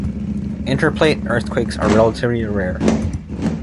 Intraplate earthquakes are relatively rare.